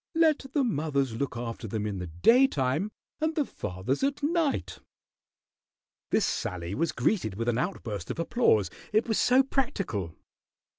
"Let the mothers look after them in the daytime, and the fathers at night." This sally was greeted with an outburst of applause, it was so practical.